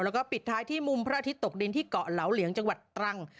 แล้วก็ปิดท้ายที่มุมพระอาทิตย์ตกดินที่เกาะเหลาเหลียงจังหวัดตรัง